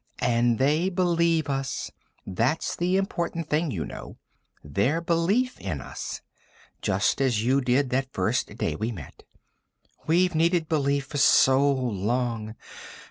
"And they believe us. That's the important thing, you know. Their belief in us Just as you did that first day we met. We've needed belief for so long